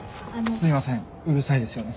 すいませんうるさいですよね。